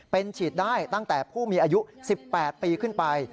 เป็นฉีดได้ตั้งแต่ผู้มีอายุ๑๘ปีขึ้นไป